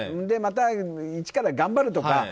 でまた一から頑張るとか。